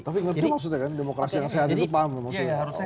tapi ngerti maksudnya kan demokrasi yang sehat itu paham memang